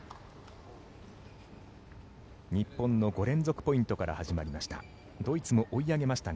日本の５連続ポイントから始まりました。